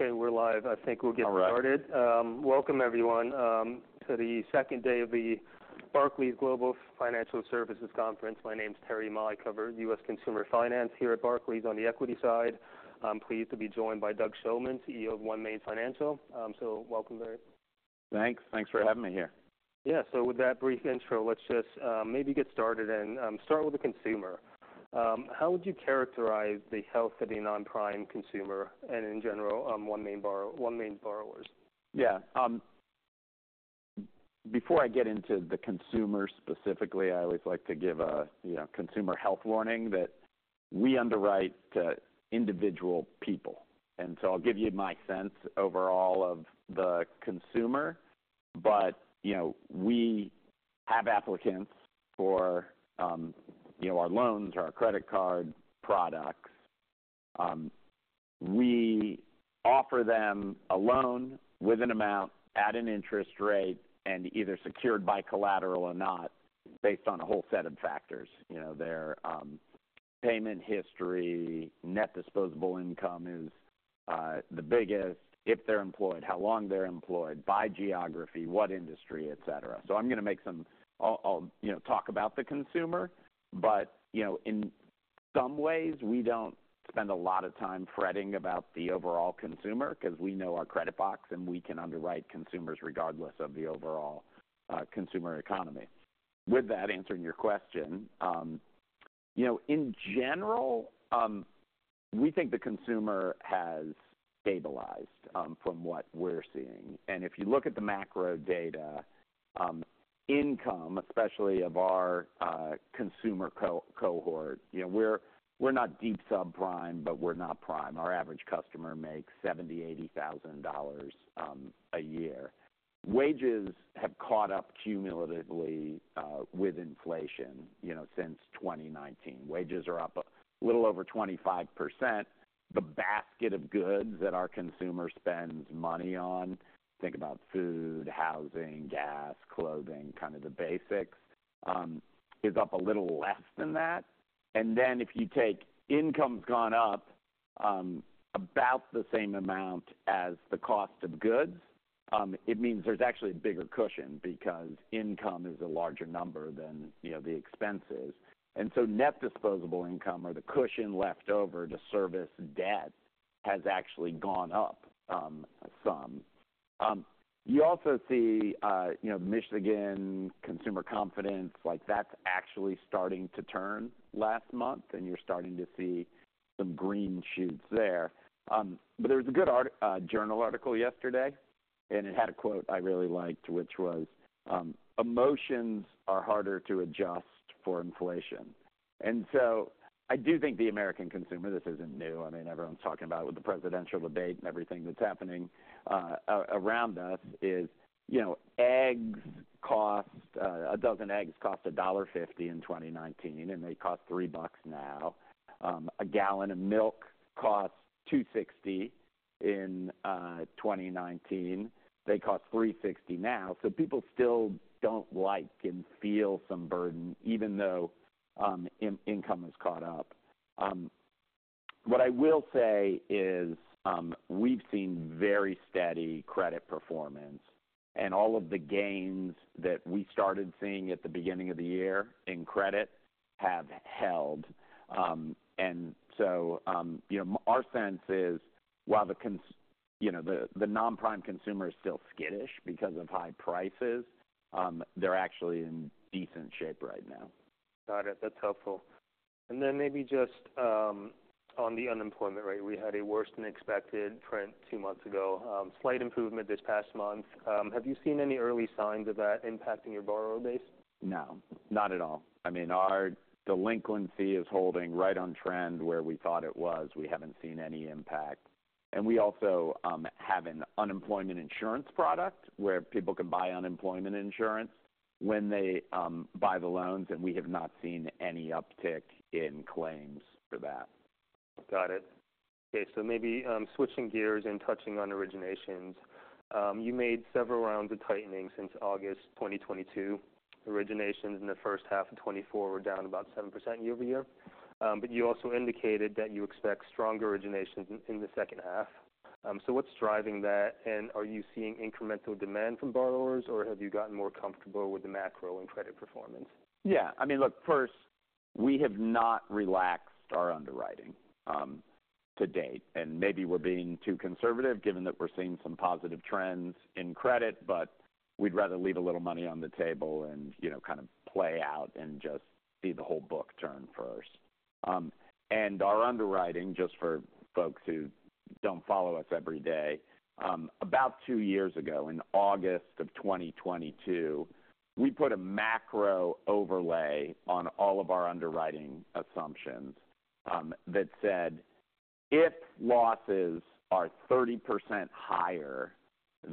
Okay, we're live. I think we'll get started. All right. Welcome everyone to the second day of the Barclays Global Financial Services Conference. My name is Terry Ma. I cover U.S. Consumer Finance here at Barclays on the equity side. I'm pleased to be joined by Doug Shulman, CEO of OneMain Financial, so welcome, Doug. Thanks. Thanks for having me here. Yeah, so with that brief intro, let's just maybe get started and start with the consumer. How would you characterize the health of the non-prime consumer and in general, OneMain borrowers? Yeah. Before I get into the consumer specifically, I always like to give a, you know, consumer health warning, that we underwrite to individual people. And so I'll give you my sense overall of the consumer. But, you know, we have applicants for, you know, our loans, our credit card products. We offer them a loan with an amount at an interest rate, and either secured by collateral or not, based on a whole set of factors. You know, their payment history, net disposable income is the biggest, if they're employed, how long they're employed, by geography, what industry, et cetera. So I'm gonna make some. I'll you know, talk about the consumer, but, you know, in some ways, we don't spend a lot of time fretting about the overall consumer, 'cause we know our credit box, and we can underwrite consumers regardless of the overall consumer economy. With that, answering your question, you know, in general, we think the consumer has stabilized from what we're seeing, and if you look at the macro data, income, especially of our consumer cohort, you know, we're not deep subprime, but we're not prime. Our average customer makes $70,000-$80,000 a year. Wages have caught up cumulatively with inflation, you know, since 2019. Wages are up a little over 25%. The basket of goods that our consumer spends money on, think about food, housing, gas, clothing, kind of the basics, is up a little less than that. And then, if you take income gone up, about the same amount as the cost of goods, it means there's actually a bigger cushion because income is a larger number than, you know, the expenses. And so net disposable income or the cushion left over to service debt, has actually gone up, some. You also see, you know, Michigan consumer confidence, like, that's actually starting to turn last month, and you're starting to see some green shoots there. But there was a good Journal article yesterday, and it had a quote I really liked, which was, "Emotions are harder to adjust for inflation." And so I do think the American consumer, this isn't new, I mean, everyone's talking about with the presidential debate and everything that's happening around us is, you know, a dozen eggs cost $1.50 in 2019, and they cost $3 now. A gallon of milk cost $2.60 in 2019. They cost $3.60 now. So people still don't like and feel some burden, even though income has caught up. What I will say is, we've seen very steady credit performance, and all of the gains that we started seeing at the beginning of the year in credit have held. And so, you know, our sense is, while you know, the non-prime consumer is still skittish because of high prices, they're actually in decent shape right now. Got it. That's helpful. And then maybe just, on the unemployment rate, we had a worse than expected trend two months ago. Slight improvement this past month. Have you seen any early signs of that impacting your borrower base? No, not at all. I mean, our delinquency is holding right on trend where we thought it was. We haven't seen any impact. And we also have an unemployment insurance product, where people can buy unemployment insurance when they buy the loans, and we have not seen any uptick in claims for that. Got it. Okay, so maybe, switching gears and touching on originations. You made several rounds of tightening since August 2022. Originations in the first half of 2024 were down about 7% year-over-year. But you also indicated that you expect stronger originations in the second half. So what's driving that? And are you seeing incremental demand from borrowers, or have you gotten more comfortable with the macro and credit performance? Yeah. I mean, look, first, we have not relaxed our underwriting to date, and maybe we're being too conservative given that we're seeing some positive trends in credit, but we'd rather leave a little money on the table and, you know, kind of play out and just see the whole book turn first. And our underwriting, just for folks who don't follow us every day, about two years ago, in August of 2022, we put a macro overlay on all of our underwriting assumptions that said, if losses are 30% higher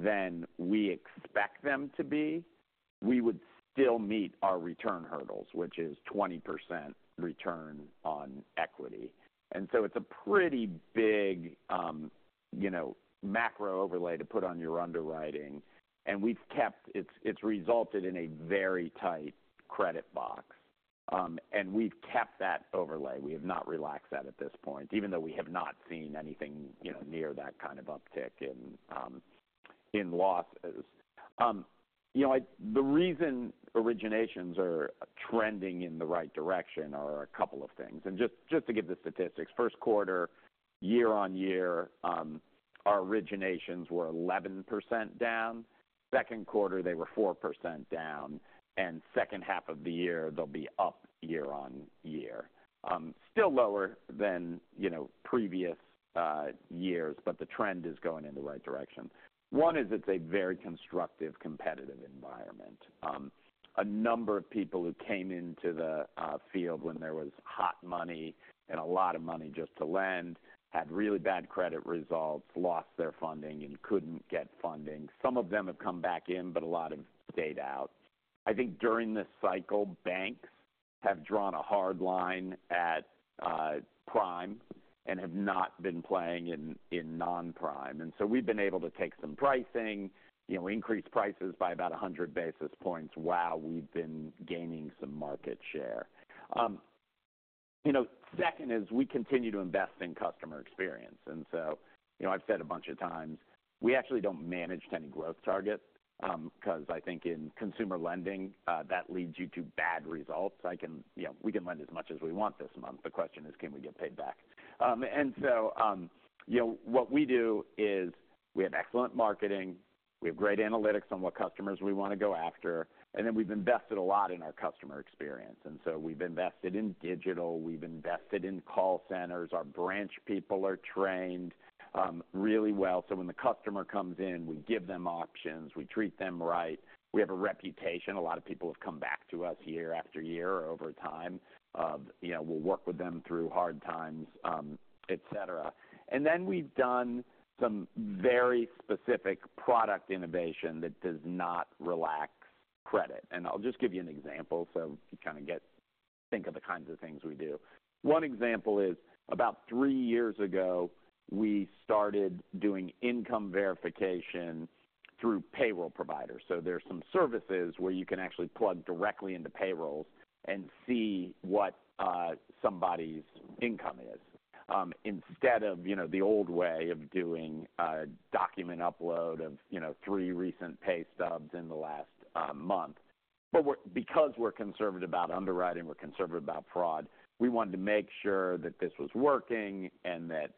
than we expect them to be, we would still meet our return hurdles, which is 20% return on equity. And so it's a pretty big, you know, macro overlay to put on your underwriting, and we've kept it. It's resulted in a very tight credit box. We've kept that overlay. We have not relaxed that at this point, even though we have not seen anything, you know, near that kind of uptick in losses. You know, the reason originations are trending in the right direction are a couple of things. Just to give the statistics, first quarter, year-on-year, our originations were 11% down, second quarter, they were 4% down, and second half of the year, they'll be up year-on-year. Still lower than, you know, previous years, but the trend is going in the right direction. One is it's a very constructive, competitive environment. A number of people who came into the field when there was hot money and a lot of money just to lend had really bad credit results, lost their funding, and couldn't get funding. Some of them have come back in, but a lot have stayed out. I think during this cycle, banks have drawn a hard line at prime and have not been playing in non-prime. And so we've been able to take some pricing, you know, increase prices by about a 100 basis points while we've been gaining some market share. You know, second is we continue to invest in customer experience, and so, you know, I've said a bunch of times, we actually don't manage to any growth target, 'cause I think in consumer lending, that leads you to bad results. You know, we can lend as much as we want this month. The question is, can we get paid back? And so, you know, what we do is we have excellent marketing, we have great analytics on what customers we want to go after, and then we've invested a lot in our customer experience. And so we've invested in digital, we've invested in call centers. Our branch people are trained, really well, so when the customer comes in, we give them options, we treat them right. We have a reputation. A lot of people have come back to us year after year or over time. You know, we'll work with them through hard times, et cetera. And then we've done some very specific product innovation that does not relax credit. And I'll just give you an example so you kind of get, think of the kinds of things we do. One example is, about three years ago, we started doing income verification through payroll providers. There are some services where you can actually plug directly into payrolls and see what somebody's income is, instead of, you know, the old way of doing a document upload of, you know, three recent pay stubs in the last month. But because we're conservative about underwriting, we're conservative about fraud, we wanted to make sure that this was working and that,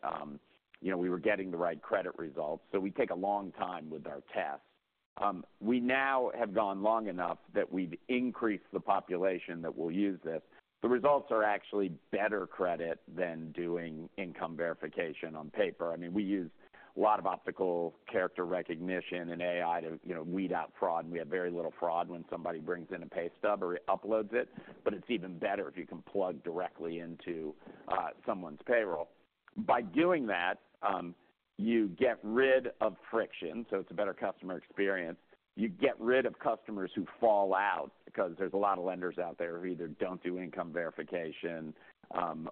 you know, we were getting the right credit results. We take a long time with our tests. We now have gone long enough that we've increased the population that will use this. The results are actually better credit than doing income verification on paper. I mean, we use a lot of optical character recognition and AI to, you know, weed out fraud, and we have very little fraud when somebody brings in a pay stub or uploads it. But it's even better if you can plug directly into someone's payroll. By doing that, you get rid of friction, so it's a better customer experience. You get rid of customers who fall out because there's a lot of lenders out there who either don't do income verification,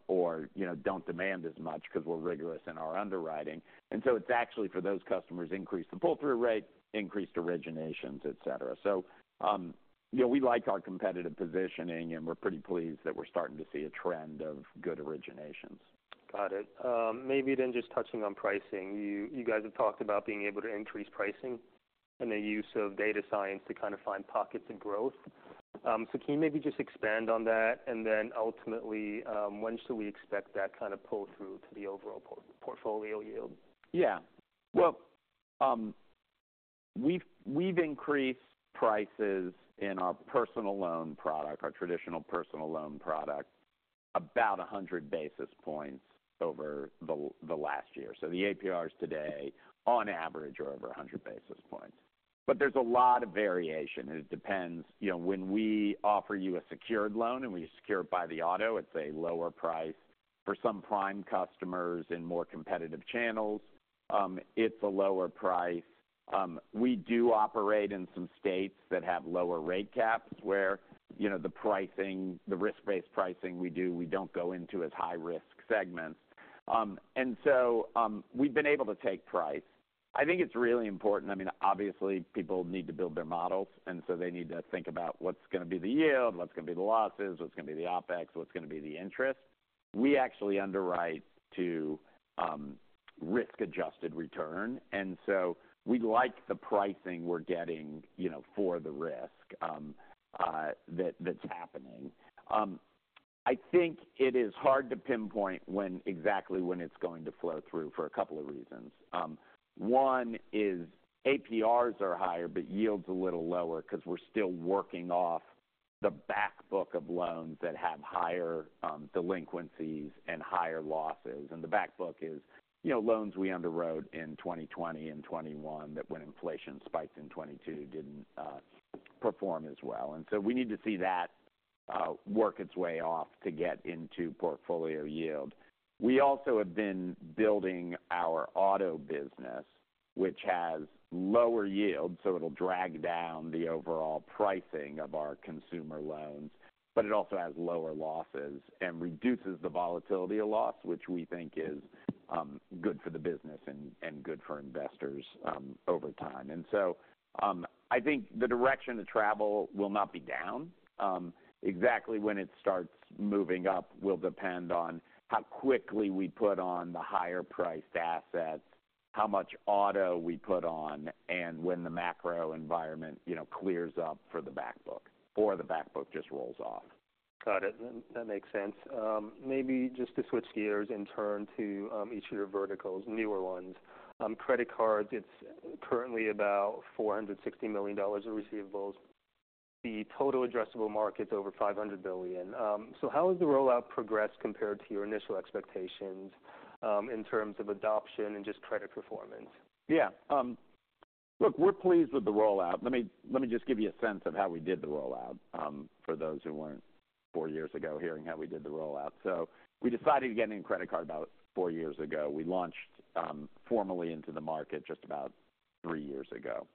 or, you know, don't demand as much because we're rigorous in our underwriting. And so it's actually, for those customers, increased the pull-through rate, increased originations, et cetera. So, you know, we like our competitive positioning, and we're pretty pleased that we're starting to see a trend of good originations. Got it. Maybe then just touching on pricing. You, you guys have talked about being able to increase pricing and the use of data science to kind of find pockets of growth. So can you maybe just expand on that? And then ultimately, when should we expect that kind of pull-through to the overall portfolio yield? Yeah. Well, we've increased prices in our personal loan product, our traditional personal loan product, about a 100 basis points over the last year. So the APRs today, on average, are over a hundred basis points. But there's a lot of variation, and it depends. You know, when we offer you a secured loan, and we secure it by the auto, it's a lower price. For some prime customers in more competitive channels, it's a lower price. We do operate in some states that have lower rate caps, where, you know, the pricing, the risk-based pricing we do, we don't go into as high-risk segments. And so, we've been able to take price. I think it's really important. I mean, obviously, people need to build their models, and so they need to think about what's going to be the yield, what's going to be the losses, what's going to be the OpEx, what's going to be the interest. We actually underwrite to risk-adjusted return, and so we like the pricing we're getting, you know, for the risk that that's happening. I think it is hard to pinpoint when, exactly when it's going to flow through for a couple of reasons. One is APRs are higher, but yield's a little lower because we're still working off the back book of loans that have higher delinquencies and higher losses. The back book is, you know, loans we underwrote in 2020 and 2021 that when inflation spiked in 2022 didn't perform as well. And so we need to see that work its way off to get into portfolio yield. We also have been building our auto business, which has lower yields, so it'll drag down the overall pricing of our consumer loans, but it also has lower losses and reduces the volatility of loss, which we think is good for the business and good for investors over time. And so I think the direction of travel will not be down. Exactly when it starts moving up will depend on how quickly we put on the higher-priced assets, how much auto we put on, and when the macro environment you know clears up for the back book, or the back book just rolls off. Got it. That makes sense. Maybe just to switch gears and turn to, each of your verticals, newer ones. On credit cards, it's currently about $460 million in receivables. The total addressable market is over $500 billion. So how has the rollout progressed compared to your initial expectations, in terms of adoption and just credit performance? Yeah. Look, we're pleased with the rollout. Let me just give you a sense of how we did the rollout for those who weren't four years ago hearing how we did the rollout. So we decided to get into credit cards about four years ago. We launched formally into the market just about three years ago.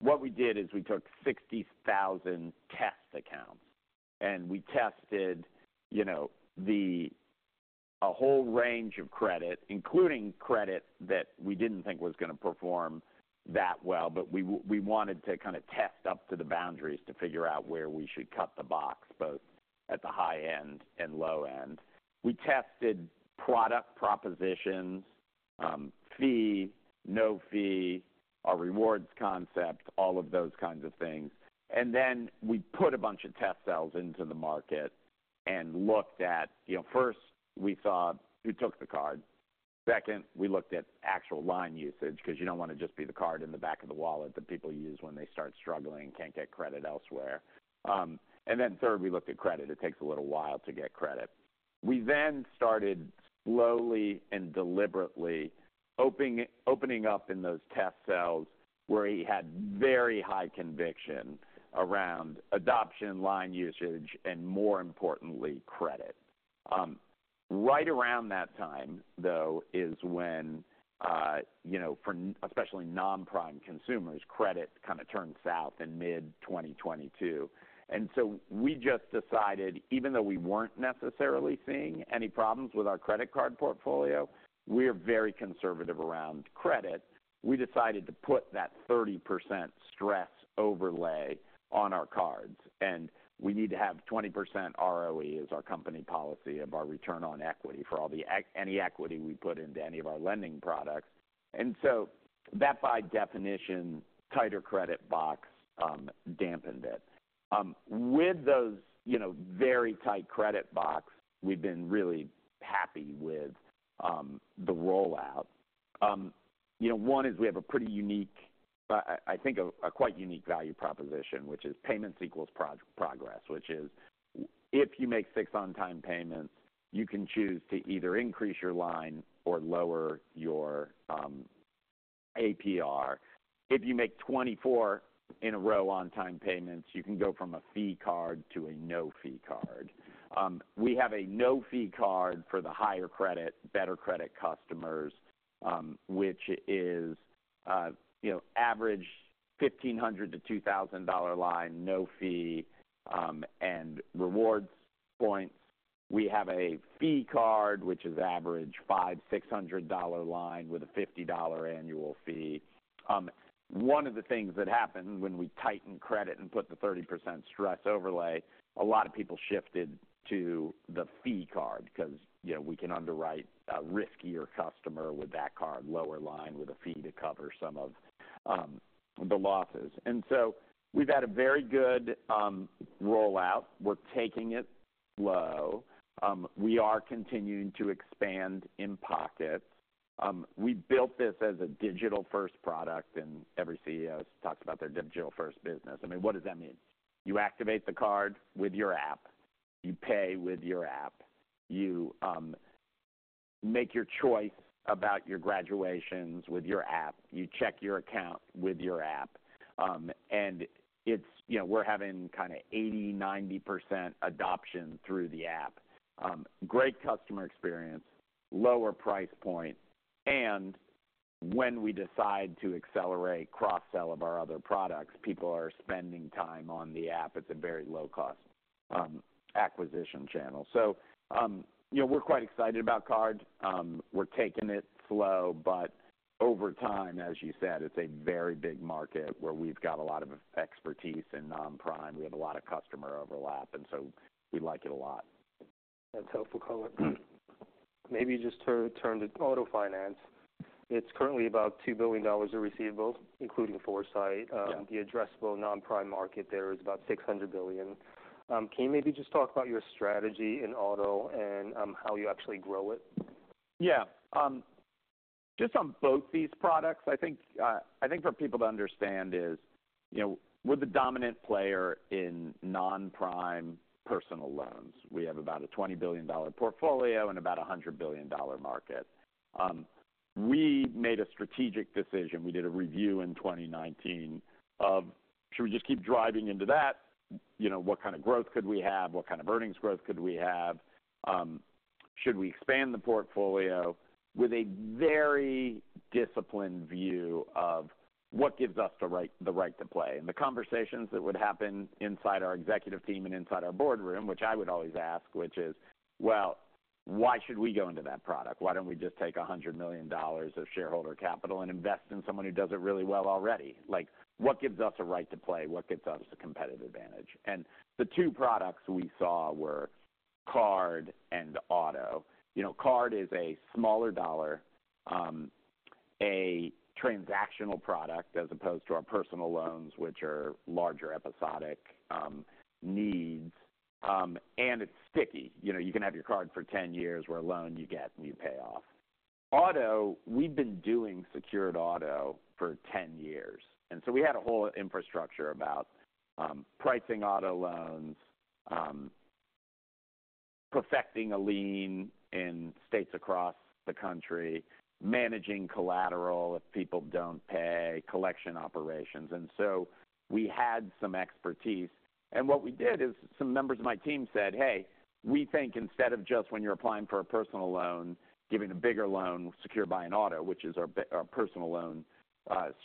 What we did is we took 60,000 test accounts, and we tested, you know, a whole range of credit, including credit that we didn't think was going to perform that well, but we wanted to kind of test up to the boundaries to figure out where we should cut the box, both at the high end and low end. We tested product propositions, fee, no fee, our rewards concept, all of those kinds of things. And then we put a bunch of test cells into the market and looked at, you know, first, we saw who took the card. Second, we looked at actual line usage, 'cause you don't want to just be the card in the back of the wallet that people use when they start struggling and can't get credit elsewhere. And then third, we looked at credit. It takes a little while to get credit. We then started slowly and deliberately opening up in those test cells where we had very high conviction around adoption, line usage, and more importantly, credit. Right around that time, though, is when, you know, for especially non-prime consumers, credit kind of turned south in mid-2022. And so we just decided, even though we weren't necessarily seeing any problems with our credit card portfolio, we're very conservative around credit. We decided to put that 30% stress overlay on our cards, and we need to have 20% ROE as our company policy of our return on equity for any equity we put into any of our lending products. So that, by definition, tighter credit box dampened it. With those, you know, very tight credit box, we've been really happy with the rollout. You know, one is we have a pretty unique, I think, a quite unique value proposition, which is Payments Equals Progress, which is if you make six on-time payments, you can choose to either increase your line or lower your APR. If you make 24 in a row on-time payments, you can go from a fee card to a no-fee card. We have a no-fee card for the higher credit, better credit customers, which is, you know, average $1,500-$2,000 line, no fee, and rewards points. We have a fee card, which is average $500-$600 line with a $50 annual fee. One of the things that happened when we tightened credit and put the 30% stress overlay, a lot of people shifted to the fee card because, you know, we can underwrite a riskier customer with that card, lower line with a fee to cover some of the losses. And so we've had a very good rollout. We're taking it low. We are continuing to expand in pockets. We built this as a digital-first product, and every CEO talks about their digital-first business. I mean, what does that mean? You activate the card with your app, you pay with your app, you make your choice about your graduations with your app, you check your account with your app, and it's, you know, we're having kind of 80%-90% adoption through the app, great customer experience, lower price point, and when we decide to accelerate cross-sell of our other products, people are spending time on the app. It's a very low-cost acquisition channel, so, you know, we're quite excited about card. We're taking it slow, but over time, as you said, it's a very big market where we've got a lot of expertise in non-prime. We have a lot of customer overlap, and so we like it a lot. That's helpful color. Maybe just turn to auto finance. It's currently about $2 billion in receivables, including Foursight. Yeah. The addressable non-prime market there is about $600 billion. Can you maybe just talk about your strategy in auto and how you actually grow it? Yeah. Just on both these products, I think for people to understand is, you know, we're the dominant player in non-prime personal loans. We have about a $20 billion portfolio and about a $100 billion market. We made a strategic decision. We did a review in 2019 of, should we just keep driving into that? You know, what kind of growth could we have? What kind of earnings growth could we have? Should we expand the portfolio with a very disciplined view of what gives us the right, the right to play? And the conversations that would happen inside our executive team and inside our board room, which I would always ask, which is: well, why should we go into that product? Why don't we just take $100 million of shareholder capital and invest in someone who does it really well already? Like, what gives us a right to play? What gives us the competitive advantage? And the two products we saw were card and auto. You know, card is a smaller dollar, a transactional product as opposed to our personal loans, which are larger episodic needs. And it's sticky. You know, you can have your card for 10 years, where a loan you get and you pay off. Auto, we've been doing secured auto for 10 years, and so we had a whole infrastructure about pricing auto loans, perfecting a lien in states across the country, managing collateral if people don't pay, collection operations. And so we had some expertise, and what we did is some members of my team said: "Hey, we think instead of just when you're applying for a personal loan, giving a bigger loan secured by an auto, which is our personal loan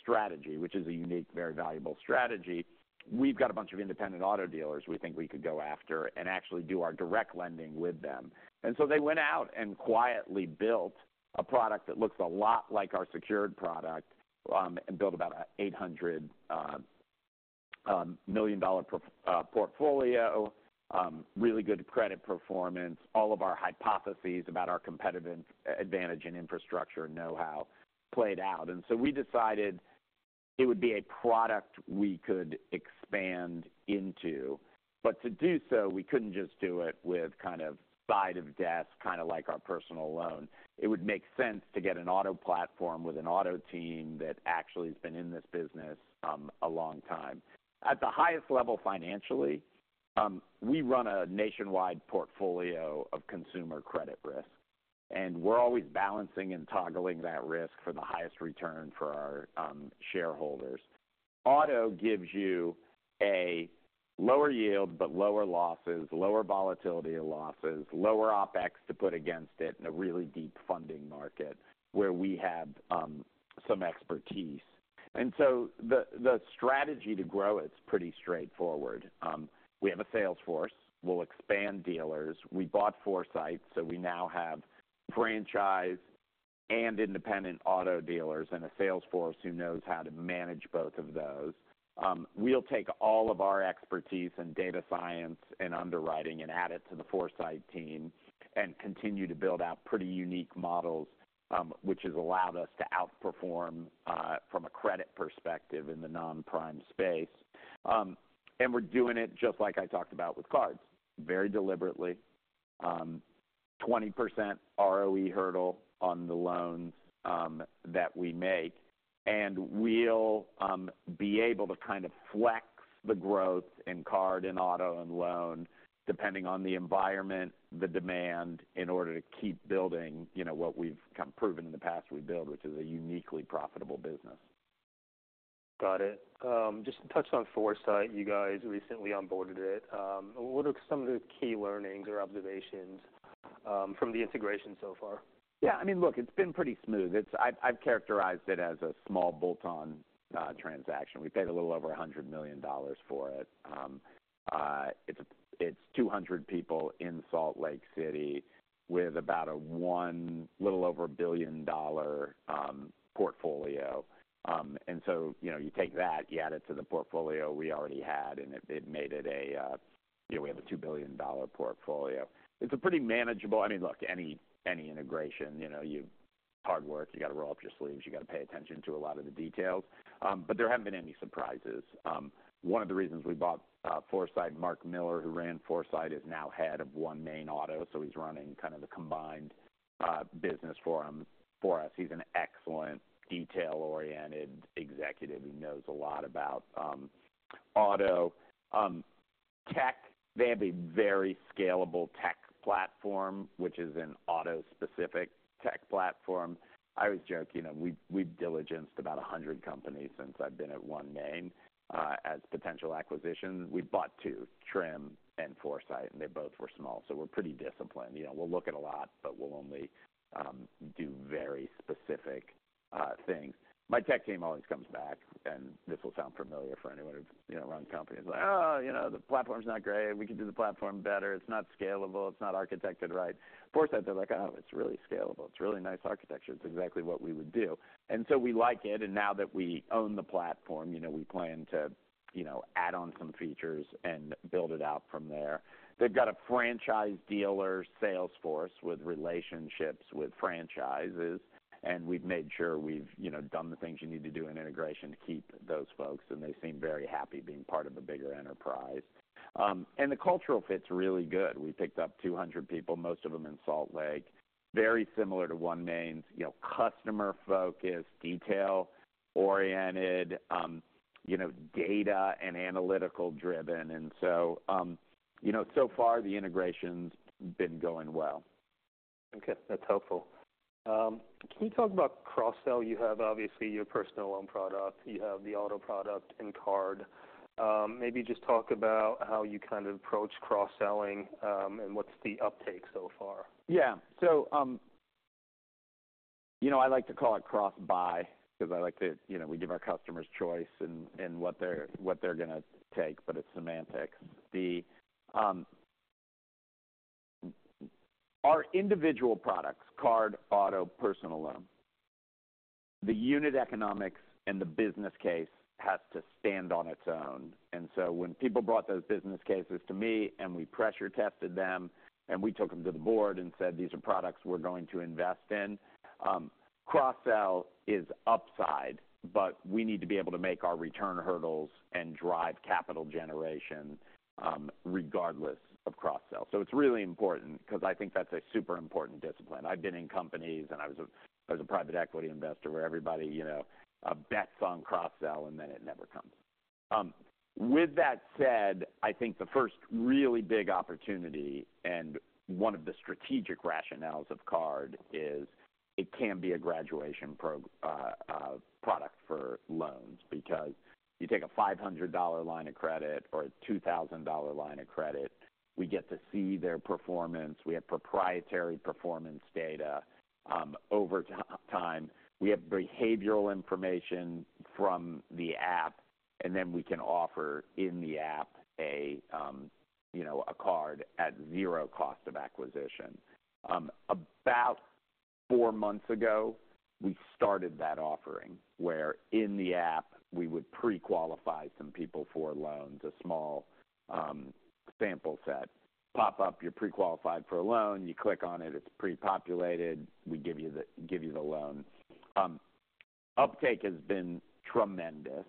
strategy, which is a unique, very valuable strategy. We've got a bunch of independent auto dealers we think we could go after and actually do our direct lending with them." And so they went out and quietly built a product that looks a lot like our secured product, and built about $800 million portfolio. Really good credit performance. All of our hypotheses about our competitive advantage in infrastructure and know-how played out. And so we decided it would be a product we could expand into. But to do so, we couldn't just do it with kind of side of desk, kinda like our personal loan. It would make sense to get an auto platform with an auto team that actually has been in this business a long time. At the highest level financially, we run a nationwide portfolio of consumer credit risk, and we're always balancing and toggling that risk for the highest return for our shareholders. Auto gives you a lower yield, but lower losses, lower volatility losses, lower OpEx to put against it in a really deep funding market where we have some expertise. And so the strategy to grow is pretty straightforward. We have a sales force. We'll expand dealers. We bought Foursight, so we now have franchise and independent auto dealers and a sales force who knows how to manage both of those. We'll take all of our expertise in data science and underwriting and add it to the Foursight team and continue to build out pretty unique models, which has allowed us to outperform from a credit perspective in the non-prime space, and we're doing it just like I talked about with cards, very deliberately, 20% ROE hurdle on the loans that we make, and we'll be able to kind of flex the growth in card and auto and loan, depending on the environment, the demand, in order to keep building, you know, what we've kind of proven in the past we build, which is a uniquely profitable business. Got it. Just to touch on Foursight, you guys recently onboarded it. What are some of the key learnings or observations from the integration so far? Yeah, I mean, look, it's been pretty smooth. It's. I've characterized it as a small bolt-on transaction. We paid a little over $100 million for it. It's 200 people in Salt Lake City with about a little over a $1 billion portfolio. So, you know, you take that, you add it to the portfolio we already had, and it made it a, you know, we have a $2 billion portfolio. It's a pretty manageable. I mean, look, any integration, you know, hard work, you gotta roll up your sleeves, you gotta pay attention to a lot of the details. But there haven't been any surprises. One of the reasons we bought Foursight, Mark Miller, who ran Foursight, is now head of OneMain Auto, so he's running kind of the combined business for him, for us. He's an excellent, detail-oriented executive. He knows a lot about auto. Tech, they have a very scalable tech platform, which is an auto-specific tech platform. I always joke, you know, we've diligenced about 100 companies since I've been at OneMain, as potential acquisitions. We've bought two, Trim and Foursight, and they both were small, so we're pretty disciplined. You know, we'll look at a lot, but we'll only do very specific things. My tech team always comes back, and this will sound familiar for anyone who's, you know, run companies, like, "Oh, you know, the platform's not great. We could do the platform better. It's not scalable. It's not architected right." Foursight, they're like, "Oh, it's really scalable. It's really nice architecture. It's exactly what we would do." And so we like it, and now that we own the platform, you know, we plan to, you know, add on some features and build it out from there. They've got a franchise dealer sales force with relationships with franchises, and we've made sure, you know, done the things you need to do in integration to keep those folks, and they seem very happy being part of a bigger enterprise. And the cultural fit's really good. We picked up 200 people, most of them in Salt Lake, very similar to OneMain's, you know, customer focused, detail-oriented, you know, data and analytical driven. And so, you know, so far the integration's been going well. Okay, that's helpful. Can you talk about cross-sell? You have, obviously, your personal loan product, you have the auto product and card. Maybe just talk about how you kind of approach cross-selling, and what's the uptake so far? Yeah. So, you know, I like to call it cross-buy, 'cause I like to. You know, we give our customers choice in what they're gonna take, but it's semantics. The our individual products, card, auto, personal loan. The unit economics and the business case has to stand on its own. And so when people brought those business cases to me, and we pressure tested them, and we took them to the board and said, "These are products we're going to invest in," cross-sell is upside, but we need to be able to make our return hurdles and drive capital generation, regardless of cross-sell. So it's really important because I think that's a super important discipline. I've been in companies, and I was a private equity investor, where everybody, you know, bets on cross-sell, and then it never comes. With that said, I think the first really big opportunity, and one of the strategic rationales of card is it can be a graduation product for loans. Because you take a $500 line of credit or a $2,000 line of credit, we get to see their performance. We have proprietary performance data over time. We have behavioral information from the app, and then we can offer in the app you know, a card at zero cost of acquisition. About four months ago, we started that offering, where in the app we would pre-qualify some people for loans, a small sample set. Pop up, you're pre-qualified for a loan, you click on it, it's prepopulated. We give you the loan. Uptake has been tremendous.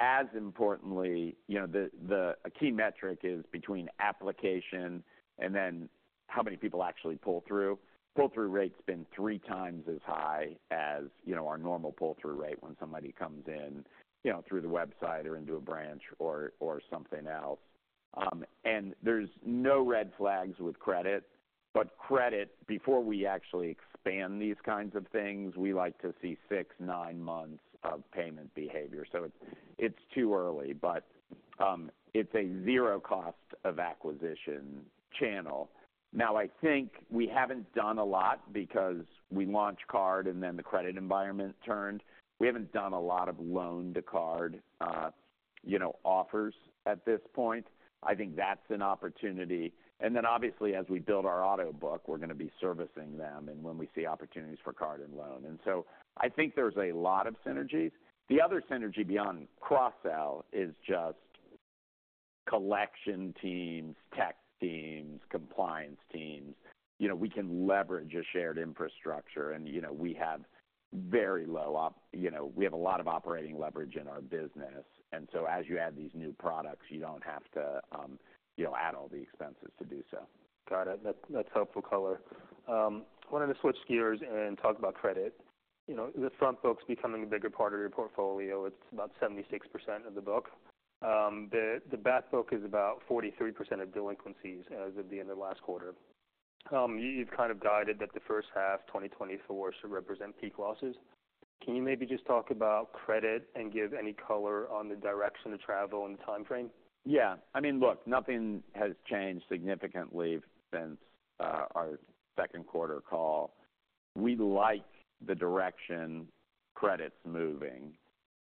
As importantly, you know, a key metric is between application and then how many people actually pull through. Pull-through rate's been three times as high as, you know, our normal pull-through rate when somebody comes in, you know, through the website or into a branch or something else. There's no red flags with credit, but credit before we actually expand these kinds of things, we like to see six, nine months of payment behavior, so it's too early, but it's a zero cost of acquisition channel. Now, I think we haven't done a lot because we launched card and then the credit environment turned. We haven't done a lot of loan to card, you know, offers at this point. I think that's an opportunity. And then obviously, as we build our auto book, we're going to be servicing them, and when we see opportunities for card and loan. And so I think there's a lot of synergies. The other synergy beyond cross-sell is just collection teams, tech teams, compliance teams. You know, we can leverage a shared infrastructure, and, you know, we have a lot of operating leverage in our business, and so as you add these new products, you don't have to, you know, add all the expenses to do so. Got it. That's helpful color. I wanted to switch gears and talk about credit. You know, the front book's becoming a bigger part of your portfolio. It's about 76% of the book. The back book is about 43% of delinquencies as of the end of last quarter. You've kind of guided that the first half of 2024 should represent peak losses. Can you maybe just talk about credit and give any color on the direction of travel and the time frame? Yeah. I mean, look, nothing has changed significantly since our second quarter call. We like the direction credit's moving,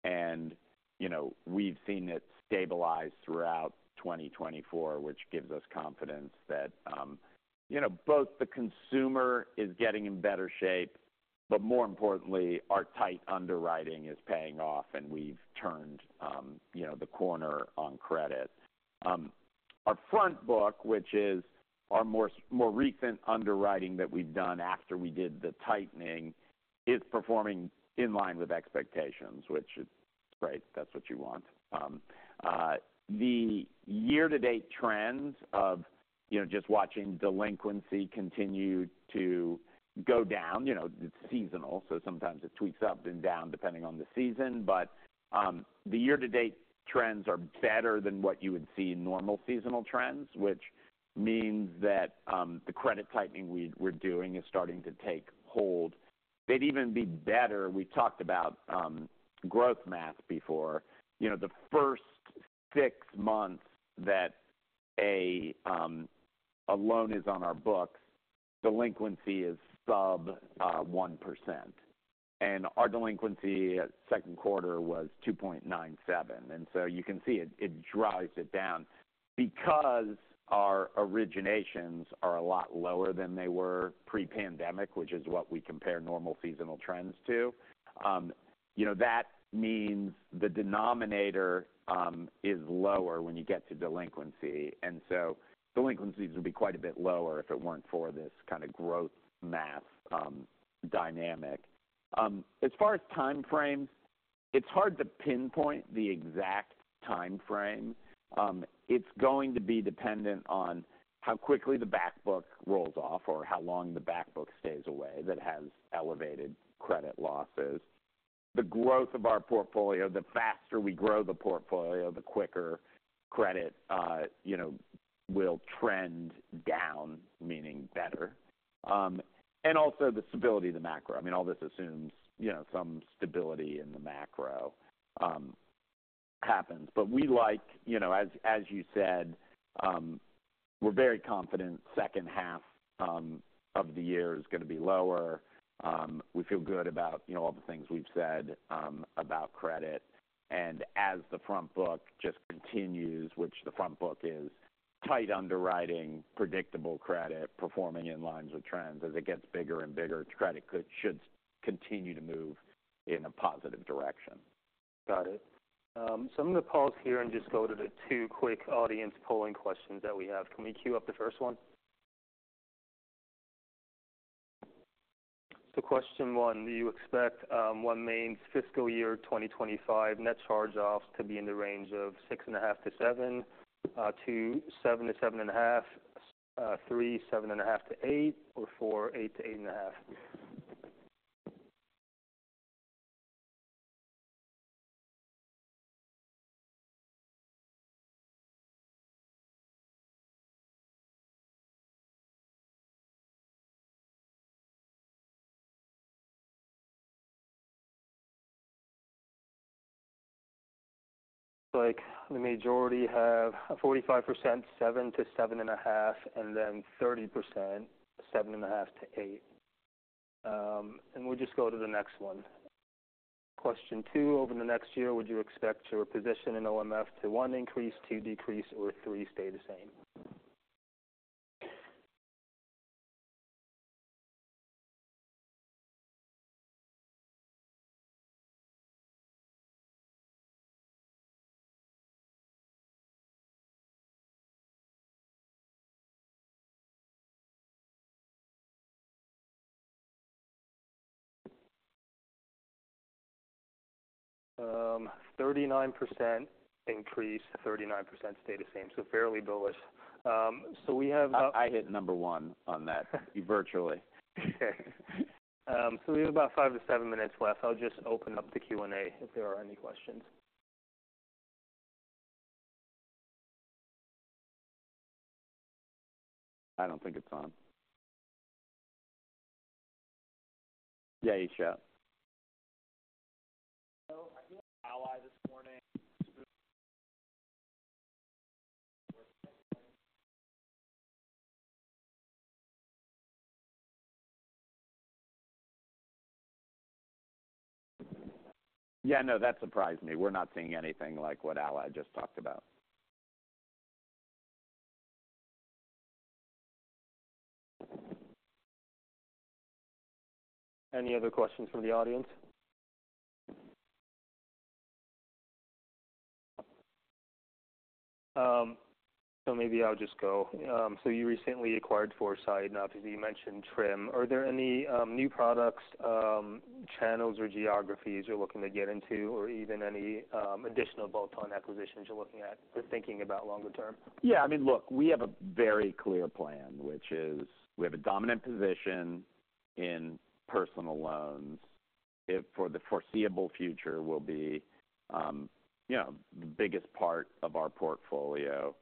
and, you know, we've seen it stabilize throughout 2024, which gives us confidence that, you know, both the consumer is getting in better shape, but more importantly, our tight underwriting is paying off, and we've turned, you know, the corner on credit. Our front book, which is our more recent underwriting that we've done after we did the tightening, is performing in line with expectations, which is great. That's what you want. The year-to-date trends of, you know, just watching delinquency continue to go down, you know, it's seasonal, so sometimes it tweaks up and down, depending on the season. But the year-to-date trends are better than what you would see in normal seasonal trends, which means that the credit tightening we're doing is starting to take hold. They'd even be better. We talked about growth math before. You know, the first six months that a loan is on our books, delinquency is sub 1%, and our delinquency at second quarter was 2.97%, and so you can see it drives it down. Because our originations are a lot lower than they were pre-pandemic, which is what we compare normal seasonal trends to, you know, that means the denominator is lower when you get to delinquency, and so delinquencies would be quite a bit lower if it weren't for this kind of growth math dynamic. As far as time frames, it's hard to pinpoint the exact time frame. It's going to be dependent on how quickly the back book rolls off or how long the back book stays away that has elevated credit losses. The growth of our portfolio, the faster we grow the portfolio, the quicker credit, you know, will trend down, meaning better. And also the stability of the macro. I mean, all this assumes, you know, some stability in the macro, happens. But we like. You know, as you said, we're very confident second half of the year is going to be lower. We feel good about, you know, all the things we've said about credit. And as the front book just continues, which the front book is tight underwriting, predictable credit, performing in lines of trends. As it gets bigger and bigger, credit should continue to move in a positive direction. Got it. So I'm gonna pause here and just go to the two quick audience polling questions that we have. Can we queue up the first one? So question one: Do you expect OneMain's fiscal year 2025 net charge-offs to be in the range of six and a half to seven, two, seven to seven and a half, three, seven and a half to eight, or four, eight to eight and a half? Looks like the majority have 45%, seven to seven and a half, and then 30%, seven and a half to eight. And we'll just go to the next one. Question two: Over the next year, would you expect your position in OMF to, one, increase, two, decrease, or three, stay the same? 39% increase, 39% stay the same, so fairly bullish. So we have. I hit number one on that, virtually. So we have about five to seven minutes left. I'll just open up the Q&A if there are any questions. I don't think it's on. Yeah, you shut. So I think Ally this morning. Yeah, no, that surprised me. We're not seeing anything like what Ally just talked about. Any other questions from the audience? So maybe I'll just go. So you recently acquired Foursight, and obviously, you mentioned Trim. Are there any new products, channels, or geographies you're looking to get into, or even any additional bolt-on acquisitions you're looking at or thinking about longer term? Yeah, I mean, look, we have a very clear plan, which is, we have a dominant position in personal loans. It, for the foreseeable future, will be, you know, the biggest part of our portfolio.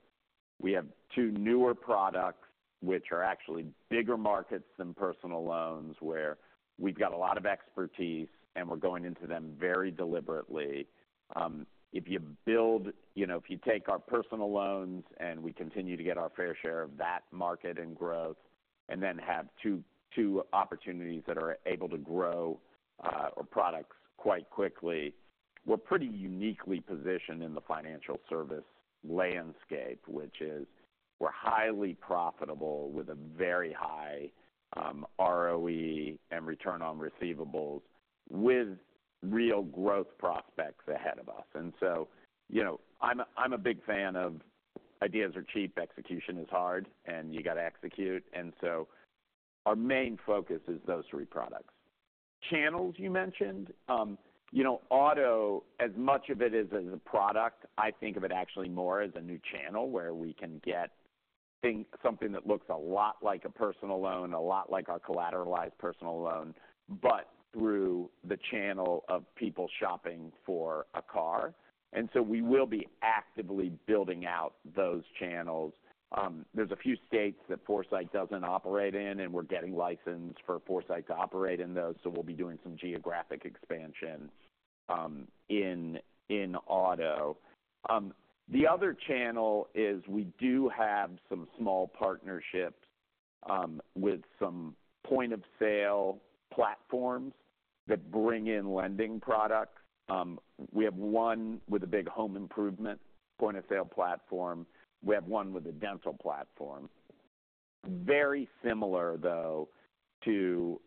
We have two newer products, which are actually bigger markets than personal loans, where we've got a lot of expertise, and we're going into them very deliberately. You know, if you take our personal loans, and we continue to get our fair share of that market and growth, and then have two opportunities that are able to grow our products quite quickly, we're pretty uniquely positioned in the financial service landscape, which is we're highly profitable with a very high ROE and return on receivables, with real growth prospects ahead of us. And so, you know, I'm a big fan of ideas are cheap, execution is hard, and you got to execute, and so our main focus is those three products. Channels, you mentioned. You know, auto, as much of it is as a product, I think of it actually more as a new channel where we can get things, something that looks a lot like a personal loan, a lot like our collateralized personal loan, but through the channel of people shopping for a car. And so we will be actively building out those channels. There's a few states that Foursight doesn't operate in, and we're getting licensed for Foursight to operate in those, so we'll be doing some geographic expansion in auto. The other channel is we do have some small partnerships with some point-of-sale platforms that bring in lending products. We have one with a big home improvement point-of-sale platform. We have one with a dental platform. Very similar, though, to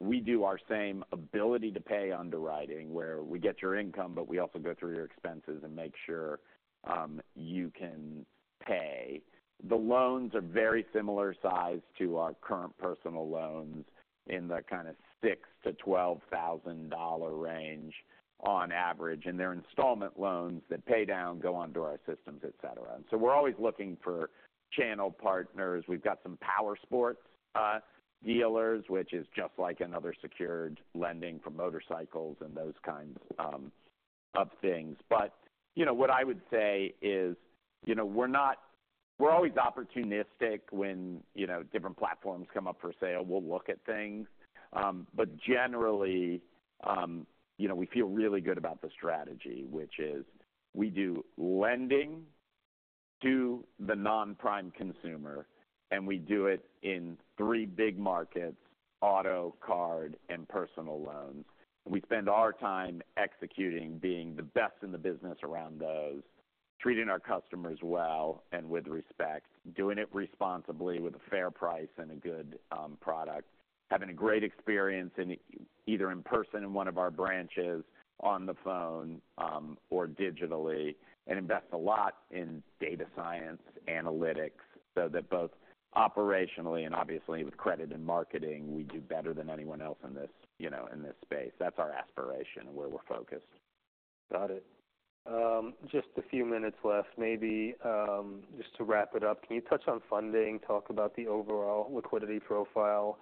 we do our same ability to pay underwriting, where we get your income, but we also go through your expenses and make sure you can pay. The loans are very similar sized to our current personal loans in the kind of $6,000-$12,000 range on average, and they're installment loans that pay down, go onto our systems, et cetera. And so we're always looking for channel partners. We've got some powersports dealers, which is just like another secured lending for motorcycles and those kinds of things. But, you know, what I would say is, you know, we're always opportunistic when, you know, different platforms come up for sale. We'll look at things. But generally, you know, we feel really good about the strategy, which is we do lending to the non-prime consumer, and we do it in three big markets: auto, card, and personal loans. We spend our time executing, being the best in the business around those, treating our customers well and with respect, doing it responsibly with a fair price and a good product. Having a great experience in, either in person in one of our branches, on the phone, or digitally, and invest a lot in data science, analytics, so that both operationally and obviously with credit and marketing, we do better than anyone else in this, you know, in this space. That's our aspiration and where we're focused. Got it. Just a few minutes left. Maybe, just to wrap it up, can you touch on funding? Talk about the overall liquidity profile,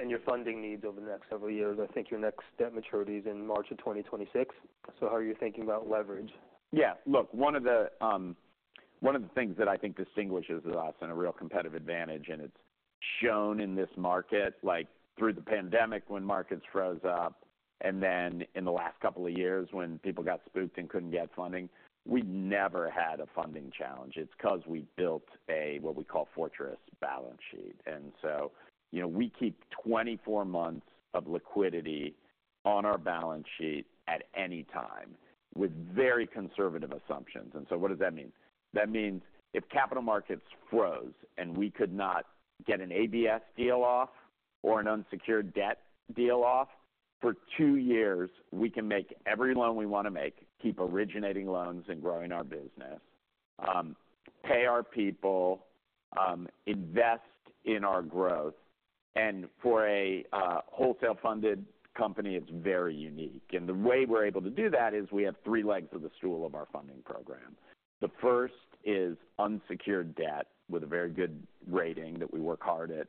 and your funding needs over the next several years. I think your next debt maturity is in March of 2026. So how are you thinking about leverage? Yeah, look, one of the things that I think distinguishes us and a real competitive advantage, and it's shown in this market, like through the pandemic, when markets froze up, and then in the last couple of years when people got spooked and couldn't get funding, we never had a funding challenge. It's because we built a, what we call, fortress balance sheet. And so, you know, we keep 24 months of liquidity on our balance sheet at any time, with very conservative assumptions. And so what does that mean? That means if capital markets froze and we could not get an ABS deal off or an unsecured debt deal off, for two years, we can make every loan we want to make, keep originating loans and growing our business, pay our people, invest in our growth. For a wholesale funded company, it's very unique. The way we're able to do that is we have three legs of the stool of our funding program. The first is unsecured debt with a very good rating that we work hard at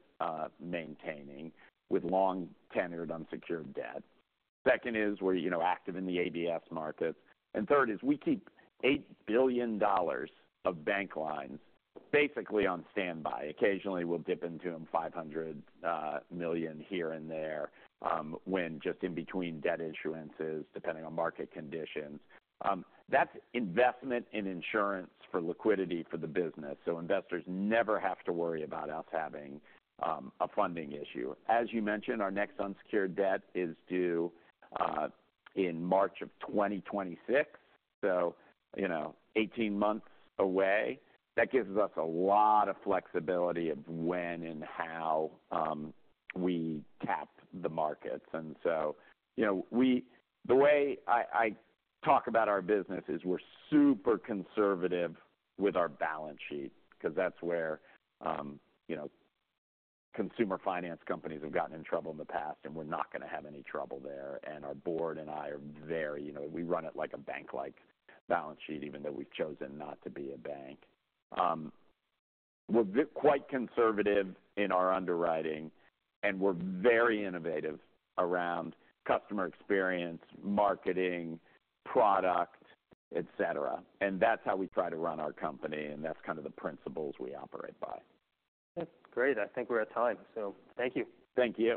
maintaining, with long-tenured, unsecured debt. Second is we're, you know, active in the ABS markets. Third is we keep $8 billion of bank lines basically on standby. Occasionally, we'll dip into them, $500 million here and there, when just in between debt issuances, depending on market conditions. That's investment in insurance for liquidity for the business, so investors never have to worry about us having a funding issue. As you mentioned, our next unsecured debt is due in March of 2026, so, you know, 18 months away. That gives us a lot of flexibility of when and how we tap the markets. And so, you know, the way I talk about our business is we're super conservative with our balance sheet, because that's where, you know, consumer finance companies have gotten in trouble in the past, and we're not gonna have any trouble there. And our board and I are very, you know. We run it like a bank-like balance sheet, even though we've chosen not to be a bank. We're quite conservative in our underwriting, and we're very innovative around customer experience, marketing, product, et cetera. And that's how we try to run our company, and that's kind of the principles we operate by. That's great. I think we're at time, so thank you. Thank you.